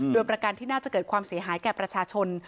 โดยประกันที่น่าจะเกิดความเสียหายแก่ประชาชน